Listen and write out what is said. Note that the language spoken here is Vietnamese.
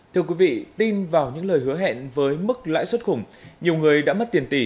thưa quý vị tin vào những lời hứa hẹn với mức lãi suất khủng nhiều người đã mất tiền tỷ